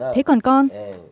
thế còn con